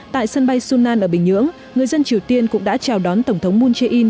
tại sân bay sunan ở bình nhưỡng người dân triều tiên cũng đã chào đón tổng thống moon jae in